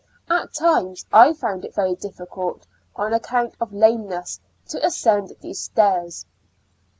At times I found it very difficult, on account of lameness, to ascend these stairs.